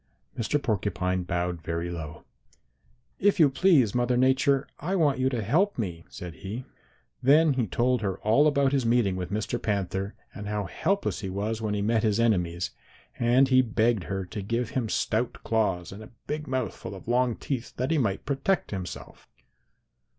"Mr. Porcupine bowed very low. 'If you please, Mother Nature, I want you to help me,' said he. "Then he told her all about his meeting with Mr. Panther and how helpless he was when he met his enemies, and he begged her to give him stout claws and a big mouth full of long teeth that he might protect himself.